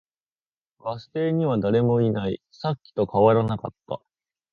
バス停には誰もいない。さっきと変わらなかった。